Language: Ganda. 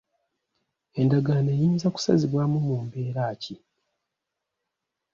Endagaano eyinza kusazibwamu mu mbeera ki?